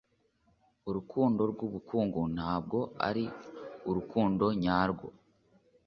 urukundo rwubukungu ntabwo ari urukundo nyarwo.